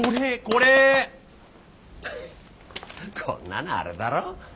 こんなのあれだろ。